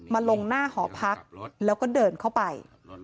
มาลงหน้าหอพักแล้วก็เดินเข้าไป